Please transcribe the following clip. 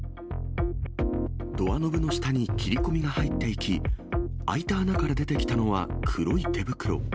ドアノブの下に切り込みが入っていき、開いた穴から出てきたのは、黒い手袋。